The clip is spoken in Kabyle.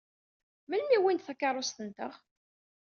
Melmi i wwint takeṛṛust-nteɣ?